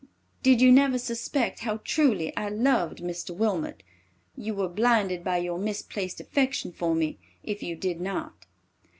Did you never suspect how truly I loved Mr. Wilmot? You were blinded by your misplaced affection for me, if you did not.